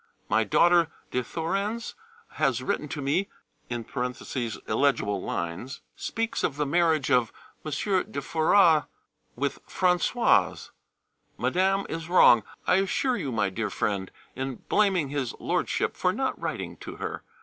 My daughter de Thorens has written to me (illegible lines), speaks of the marriage of M. de Foras with Françoise. Madame is wrong, I assure you, my dear friend, in blaming his Lordship[B] for not writing to her.